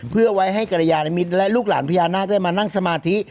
เพื่อไว้ให้กรยานิมิตรและลูกหลานพญานาคได้มานั่งสมาธิ